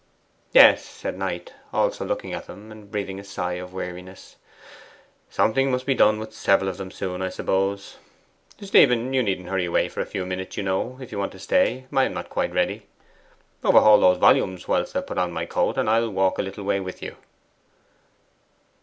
'Yes,' said Knight, also looking at them and breathing a sigh of weariness; 'something must be done with several of them soon, I suppose. Stephen, you needn't hurry away for a few minutes, you know, if you want to stay; I am not quite ready. Overhaul those volumes whilst I put on my coat, and I'll walk a little way with you.